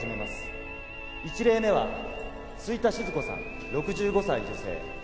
１例目は吹田静子さん６５歳女性。